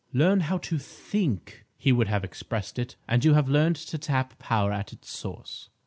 "Learn how to think," he would have expressed it, "and you have learned to tap power at its source."